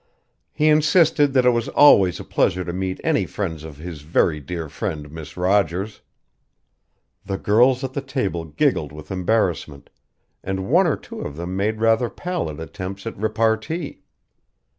He insisted that it was always a pleasure to meet any friends of his very dear friend, Miss Rogers. The girls at the table giggled with embarrassment, and one or two of them made rather pallid attempts at repartee.